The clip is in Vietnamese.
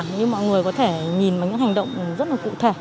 nhưng mọi người có thể nhìn vào những hành động rất là cụ thể